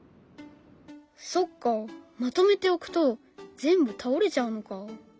そっかまとめて置くと全部倒れちゃうのか。